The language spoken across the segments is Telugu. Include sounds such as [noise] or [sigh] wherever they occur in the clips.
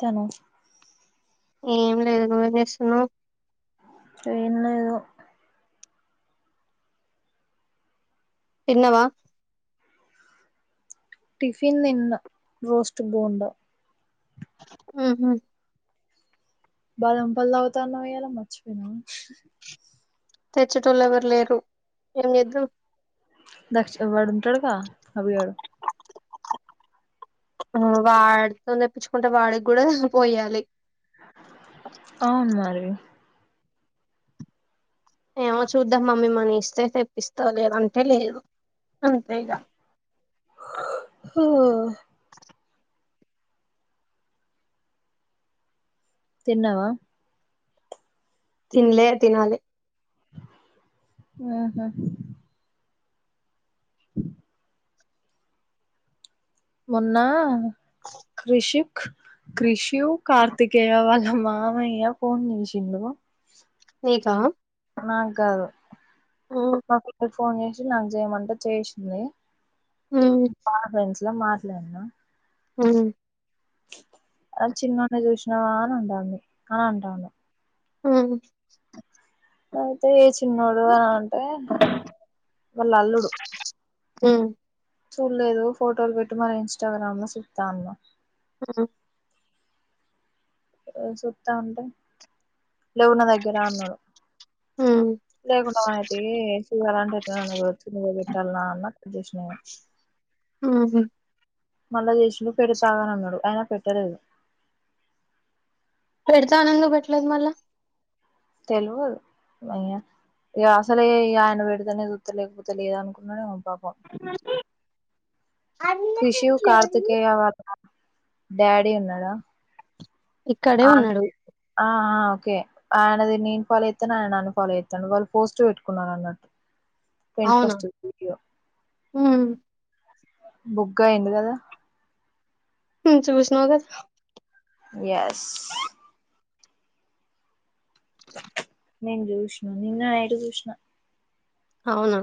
తను ఏం లేదు నువ్వేం చేస్తున్నావ్ ఏం లేదు తిన్నవా టిఫిన్ నిన్న రోస్ట్ బోండ ఉహు బాదం పాలు తాగుతా అన్నవ్ ఇయ్యాల మర్చిపోయినవా తెచ్చేటొళ్ళు ఎవరు లేరు ఏం చేద్దం దక్షి వాడు ఉంటాడుగా అబి గాడు ఆ వాడితో తెప్పించుకుంటే వాడికి కూడా పోయాలి అవును మరి ఏమో చూద్దాం మమ్మీ మనీ ఇస్తే తెప్పిస్తా లేదంటే లేదు అంతే ఇగ ఓ తిన్నావా తిన్లే తినాలి ఆహా హ మొన్నా కృషు క్రిష్యు కార్తికేయ వాళ్ళ మామయ్య ఫోన్ చేసిండు నీకా నాకు కాదు ఫోన్ చేసి నాకు చేయమంటే చేసింది బ పెం ఇట్లా మాట్లాడినా హ్మ్ అ చిన్నన్న చూసినావా అని అంటాంది అని అంటాను హ్మ్ ఐతే ఏజ్ చిన్నోడు అని అంటే వాల్ల అల్లుడు హ్మ్ చూల్లేదు ఫోటోలు పెట్టమను ఇన్స్టాగ్రామ్ లో చూత్త అన్నా ఆ ఆ సూత్త అంటే లేవు నా దగ్గర అన్నాడు లేకుండా మానై తీ [unintelligible] పెట్టాల అన్నట్టు వచ్చేసిన ఇగ ఆహ మళ్ళా చేశలో పెడతాగానన్నాడు అయిన పెట్టలేదు పెడత ఆనంగ పెట్లేదు మళ్ళ తెలవదు ఇగ అసలే ఆయన పెడితేనే చూత్తలేకపోతే లేద అనుకున్నాడే రిషివ్ కార్తికేయ డాడీ ఉన్నాడా ఇక్కడే అ ఉన్నాడు ఆ ఓకే ఆయనది నేను ఫాలో చేస్తాను ఆయన నన్ను ఫాలో చెత్తండు వాళ్ళు పోస్ట్ పెట్టుకున్నారు అన్నట్టు ట్వంటీ అవునా ఫస్ట్ హ్మ్ బుగ్గా ఏంది కదా చూసినవుగా ఎస్ నేను చూష్ణ నిన్న నైట్ చూష్ణ అవునా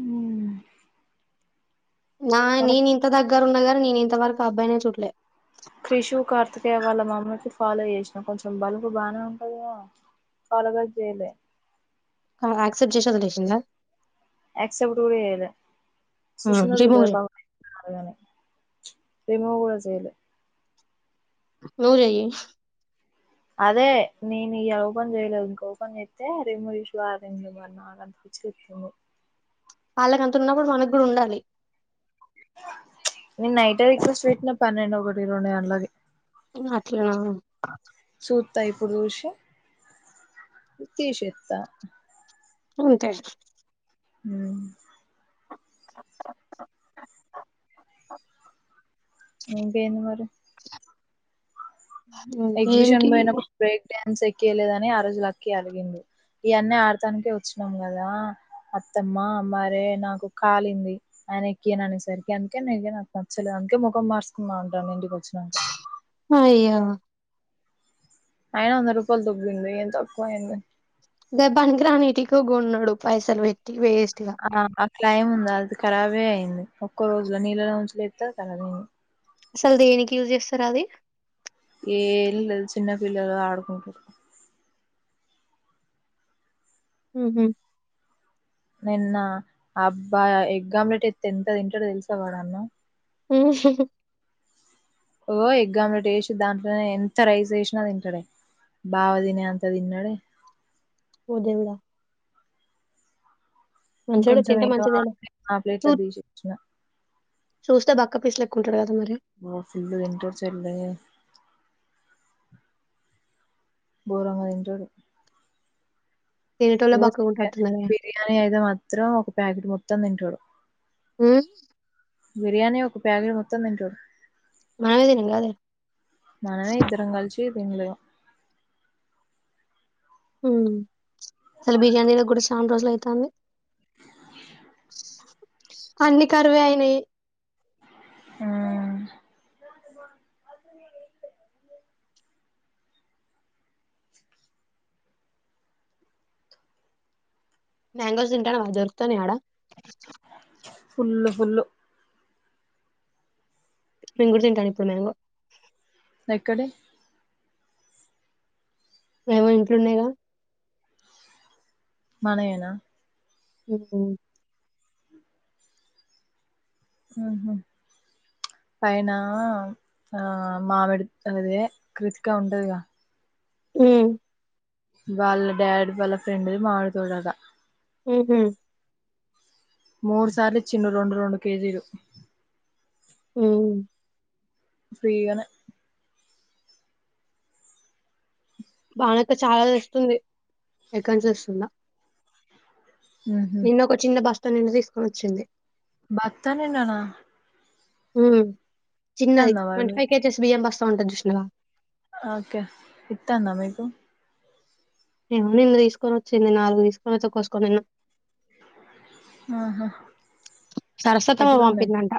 అ నా నేను ఇంత దగ్గర గరున్న గని నేను ఇంత వరకు ఆ అబ్బాయినే చుల్లే ఇగ వాళ్ళ మమ్మీకి ఫాలో చేసిన కొంచెం బలుకు బాగానే ఉంటది కదా ఫాల్లోప్ చేయలే ఆమెకు యాక్సెప్ట్ చేసేది [unintelligible] యాక్సెప్ట్ కూడా చేయలే హ్మ్. చూషిందో రిమూవ్ చూడలేదో చెయ్. పాపం పాడుగాను రిమూవ్ గుడా చేయలే నువ్వు జేయ్ అదే నేను ఇగ ఓపెన్ చేయలేదు ఇంకా ఓపెన్ చేత్తే రిమూవ్ ఇష్యూ యాప్ [unintelligible] వాళ్ళకి అంత ఉన్నప్పుడు మనకి కూడా ఉండాలి నేను నైటే రిక్వెస్ట్ పెట్టిన పన్నెండు ఒకటింటి రెండు గంటలకి అట్లనా సుత్త ఇప్పుడు చూసి తీసేత్త ఉంతే ఊ ఇంకేంది మరి ఎక్జిబిషన్ ఇంకేంటి? బోయినం బ్రేక్ ఫెస్ ఎక్కియ్యలేదని ఆ రోజు లక్కీ అలిగింది ఈ అన్న ఆడతానికే వచ్చినాం కదా అత్తమ్మ మరే నాకు కాలింది ఆయన ఎక్కయను అనేసరికి అందుకే న నాకు నచ్చలేదు అందుకే ముఖం మార్సుకుందా ఉంటాను ఇంటికిచ్చ అయ్య ఆయిన వంద రూపాయలు దొబ్బింది ఏం తక్కువయింది గ పనికిరాని ఇటిక కొన్నడు పైసలు పెట్టి చి వేస్ట్గా ఆ క్లైమ్ ఉందా అది ఖరాబే అయింది ఒక్కో రోజులో నీళ్ళలో [unintelligible] ఖరాబ్ అయింది అసలు దేనికి యూజ్ చేస్తారు అది ఏం లేదు చిన్న పిల్లలు ఆడుకుంటారు ఉహు నిన్న అబ్బాయి ఎగ్ ఆమ్లెట్ ఎత్తే ఎంత తింటడో తెలుసా వాడన్నం ఉహు ఓ ఎగ్ ఆమ్లెట్ వేసి దాంట్లోనే ఎంత రైస్ వేసినా తింటాడే బావ తినే అంత తిన్నాడే ఓ దేవుడా మంచోడే ఇంకొంచెం తింటే ఏమో మంచిదే ఆ ప్లేట్ల సు తీసి ఇచ్చిన చూస్తే బక్క పీస్ లెక్క కుంటడు కదా మరి. నా ఫిల్డు ఇంటర్ చెల్లె గోరంగా తింటడు తినేటోళ్ళే ఇగో చెల్లె బక్కగుంటట్టున్నరుగా. బిర్యానీ అయితే మాత్రం ఒక ప్యాకెట్ మొత్తం తింటా [unintelligible] ఊ బిర్యానీ ఒక ప్యాట్ మొత్తం తింటడు మవిదిిన కాదే ఎ తిన్లేదు అసలు బిర్యానీలో కూడా చాలా రోజులు అయితంది అన్ని కరివే అయినాయి ఆ మ్యాంగోస్ తింటాను వా దొరుకుతనే ఆడ కుుల్ హుల్లు నేను కూడా తింటాను ఇప్పుడు మ్యాంగో ఎక్కడె ఏమో ఇంట్లోనే గ మనవేనా ఓహో హ పైన ఆ మామిడి అదే కృతికా ఉంటదిగా అ వాళ్ళ డాడ్ వాళ్ళ ఫ్రెండ్లు మామిడి తోడగా హహ మూడు సార్లు ఇ చిిన్న రెండు రెండు కేజీలు అ ఫ్రీగానే బానక చాలా ఇస్తుంది ఎక్కన్ంచి వస్తుందా ఉహు నిన్న ఒక చిన్న భాష్ తను నిన్ను తీసుకుొని వచ్చింది బ త్తనిన్నానా హ చిన్నది మరి ట్వంటీ ఫై మీకు కేజ్స్ బియ్యం బస్తా స్తా ఉంటుంది చూషినావా ఓకే ఇత్తాంద మీకు ఏమో నిన్న తీసుకొని వచ్చింది నాలుగు తీసుకొని వచ్చా కోసుకొని నిన్నాం ఆహా సరస్వతమ ఎట్లున్నాయి పంపిందంట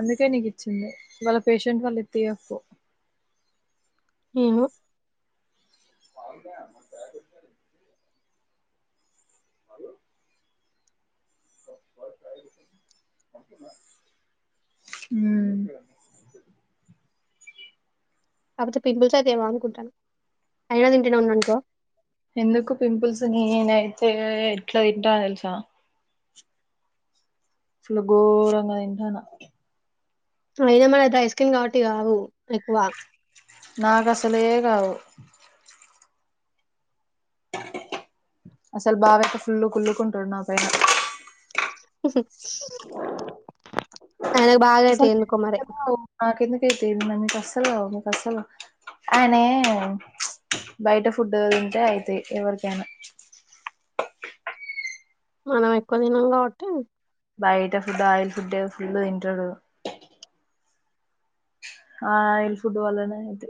అందుకే నీకు ఇచ్చింది వాళ్ళ పేషెంట్ వాళ్ళు ఎత్తి ఒప్పో ఏమో పన్నా తయ హలో హ కాకపోతే పింపుల్స్ అయితే ఏమ అనుకుంటాను అయినా తింటనే ఉన్నానుకో ఎందుకు పింపుల్స్ ని నేనైతే ఎట్లా తింటా తెలుసా అసల్ గోరంగాదింటనా అయినా మన డ ఐస్క్రీమ్ కాబట్టి కావు ఎక్కువ. నాకు అసలే కావు అసలు బావక్క ఫుల్లు కుల్లుకుంటాడు నా పైన హు ఆయనకు బాగా అయితయి ఎందుకో మరి. నాకేందుకు తి తిన్నె మీకు అస్సలు కావు మీకు అస్సలు కా ఆయనె మ్మచ్ బయట ఫుడ్ తింటే అయితయ్ ఎవరికైనా మనం ఎక్కువ దినం కాబట్టి బయట ఫుడ్ ఆయిల్ ఫుడె ఫుల్ వింటాడొడు. ఆయిల్ ఫుడ్ వల్లనే అయితే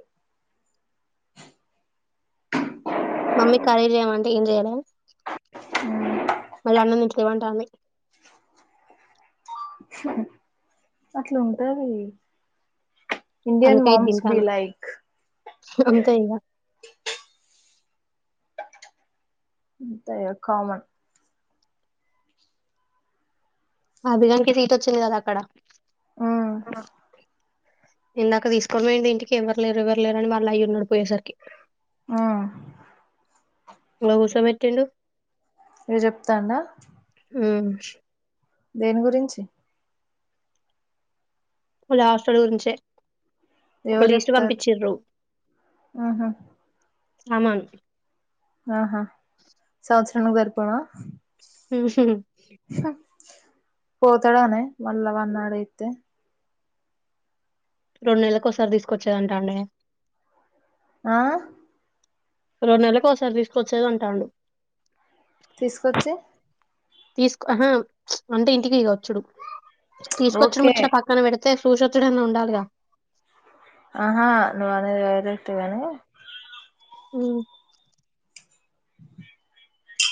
మమ్మీ కర్రీ చేయమంటే ఏం చెయలే మళ్ళీ అన్నం [unintelligible] అంటాంది. అట్ల ఉంటది. ఇండియన్ మామ్స్ బి లైక్ అంతె ఇంగ అంతె కామన్ అభిగానికి సీట్ వచ్చింది కదా అక్కడ ఉమ్ అ ఇందాక తీసుకుపోయింది ఇంటికి ఎవ్వరు లేరు ఎవ్వరు లేరు అని వాళ్ళఅయ్యిన్నాడు పోయేసరికి ఉమ్ ఇగ కూర్చో పెట్టిండు. చెప్తాండా. ఉ దేని గురించి హస్టల్ గురించే ఒక ఎవరు లీస్ట్ చెప్తారు పంపించిండ్రు ఆహా మమన్ ఆహా సంవత్సరం ను ఎరిపోవా హుహు పోతాడనే మళ్ళా వన్నాడైతే రెండు నెల్లకు ఒకసారి తీసుకొచ్చాంట అండి. ఆ రెండు నెల్లకు ఒకసారి తీసుకొచ్చేద అంట అండి. తీసుకొచ్చి తీసుకు ఆహా చ్చ్ అంటే ఇంటికి ఇగ వచ్చుడు. తీసుకొచ్చడ ఓకే ముచ్చిట పక్కన పెడ తె చూసొచ్చుడన్న ఉండాలగ ఆహా నువు అది అదెత్తుగని ఉ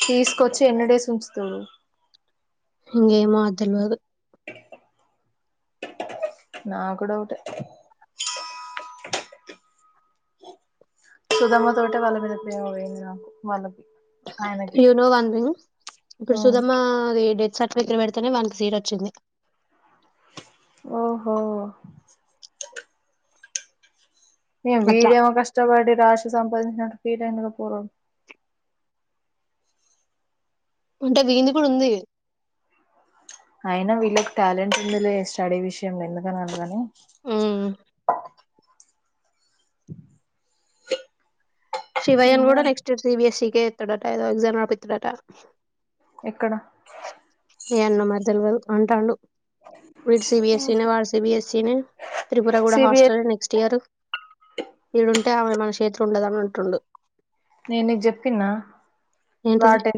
తీసుకొచ్చి ఎన్ని డేస్ ఉంచుతురు. ఇంగ ఏమా తెల్వదు. నాకు డౌటె సుదమ్మ తోటే వాలమీద ప్రేమ పోయింది. నాకు వాల్లకి యూనోవన్ రింగ్ గుర్సదమ్మ అది డెట్ సట్ ర్టిఫికెట్ పెడితేనే వానకి సీటొచ్చింది. ఓహో ఏ అట్లా వీడేవొ కష్టపడి రాస్ సంపాదించినటు ఫీల్ అయినపురొ ఉంటే దీన్ది కూడా ఉంది. అయినా వీళ్ళకి టాలెంట్ ఉందిలే స్టడీ విషయంలో ఎందుకని అనగానె ఉ శివయన్ ఇంగా కూడా నెస్ట్ ఇయర్ సీబీఎస్సి కే ఎత్తాడట దా ఎగ్జామ్ రాపిత్తాడట ఎక్కడ ఏ అన్న మ తెలివదు అంటాడు వీడు సిబిఎస్ఈ నే వాడు సిబిఎస్ఈ నే త్రిపుర కూడా సిబిఎస్ హాస్టల్ నెక్స్ట్ ఇయర్ ఈడుంటే ఆమే మన చేత్ ఉండదన్అన్ ట్టుండు నేను ఇది చెప్పిన్నా ఏంటిది వాటి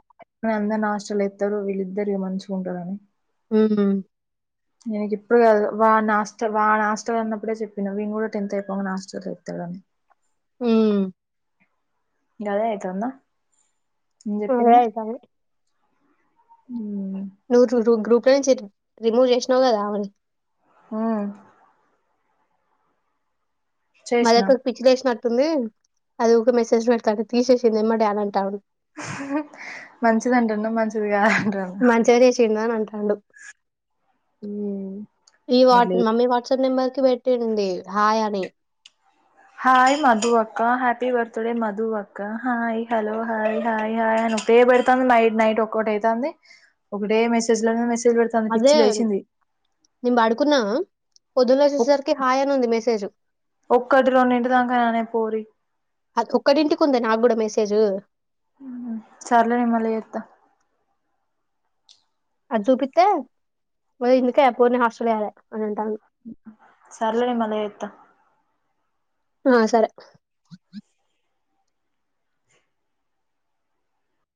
అంద నాష్టలు ఎస్తారు వీల్ ఇద్దరి మంచిగా ఉంటడని ఉమ్ ఎనికి ఇప్పుడు కాదు వా నాస్ త్తర్ వాన్ హాస్టల్ అన్నప్పుడే చెప్పినా వీనీ కూడా టెన్త్ అయిపోమని హస్టల్ ఎతాడని మ్మ్ గదే అయితంద అదే అయితాంది అ నూరు నూరు న్ గ్రూప్ క్కడ నుంచి రిమూవ్ చేసినావు కదా ఆవని హూ చేసిన మదక్క కు పిచ్చలేస్ నట్ ంది అది ఒక మెసేజ్ పెడతా అ తీసేసింది ఏమ్మడే అని అంటా ఉం మంచిదంటున్న మంచ్ తుదిగా మంచిగా చేసిండు అని అంటాడు ఉమ్ ఈ వాట్ మళ్ళీ మమ్మీ వాట్ కొత్త నెంబర్ క పెట్టింది హాయ్ అని హయ్ మధు అక్క హ్యాపీ బర్త్డే మధు అక్క హాయ్ హలో హాయ్ హయ్ హా్ ఒకటే పెడుతోంది మై నైట్ ఒకౌట్ అవుతుంది ఒకటే మెసేజ్ లో మెసేజ్ పెడుతుంది పిచ్చి అదే లేసింది నే పడుకున్న ఒక్క ఒక్కటి రెండిటి దాక గా నే పోరీ అ ఒక్కడింటికి ఉంది నాకు కూడా మెసేజ్ మ్మ్ సర్లే నేను మ్మళ ఎత్త అజూపిత్తే ఓ ఇందుకే ఆ పోరీ నీ హాస్టల్ాల వేయాలే సర్లే నేన్ మళ్ల ఎత్త ఆ సరే